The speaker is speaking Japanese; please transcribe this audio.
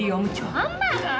ハンバーガー！